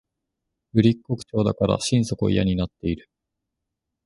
ぶりっ子口調だから心底嫌になっている